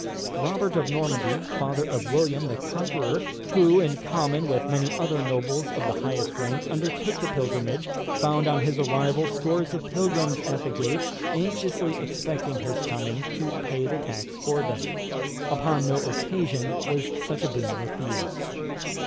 Robert of Normandy, father of William the Conqueror, who, in common with many other nobles of the highest rank, undertook the pilgrimage, found on his arrival scores of pilgrims at the gate, anxiously expecting his coming to pay the tax for them. Upon no occasion was such a boon refused.